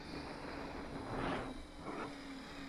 Fue especialmente activo en Silesia.